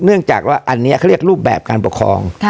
เนื่องจากว่าอันนี้เขาเรียกรูปแบบการปกครอง